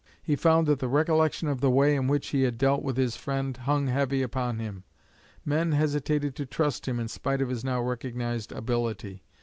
He found that the recollection of the way in which he had dealt with his friend hung heavy upon him; men hesitated to trust him in spite of his now recognised ability.